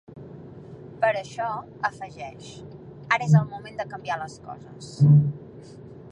Per això, afegeix, “ara és el moment de canviar les coses”.